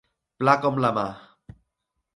Pla com la mà.